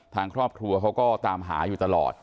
ทางครอบครัวเขาก็ตามหาอยู่ตลอด